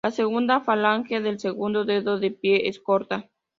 La segunda falange del segundo dedo del pie es corta.